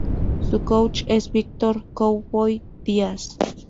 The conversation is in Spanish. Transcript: Su coach es Víctor "Cowboy" Díaz.